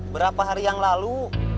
berapa hari yang lalu